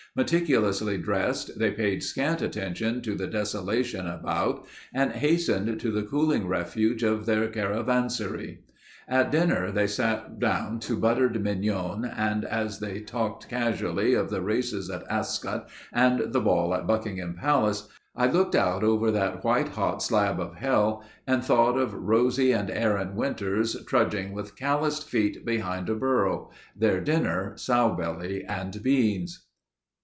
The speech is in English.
Meticulously dressed, they paid scant attention to the desolation about and hastened to the cooling refuge of their caravansary. At dinner they sat down to buttered mignon and as they talked casually of the races at Ascot and the ball at Buckingham Palace, I looked out over that whitehot slab of hell and thought of Rosie and Aaron Winters trudging with calloused feet behind a burro—their dinner, sow belly and beans.